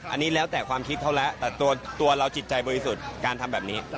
อันนี้แล้วแต่ความคิดเขาแล้วแต่ตัวเราจิตใจบริสุทธิ์การทำแบบนี้